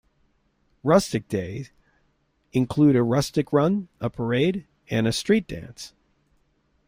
Rustic Days include a Rustic Run, a parade, and a street dance.